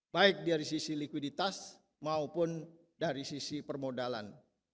baik dari sisi likuiditas maupun dari sisi permodalan